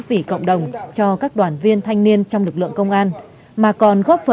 với các trẻ em mồ côi